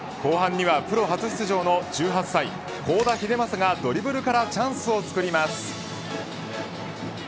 後半にはプロ初出場の１８歳甲田がドリブルからチャンスを作ります。